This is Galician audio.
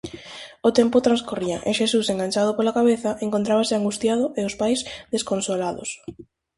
O tempo transcorría e Xesús, enganchado pola cabeza, encontrábase angustiado e os pais desconsolados.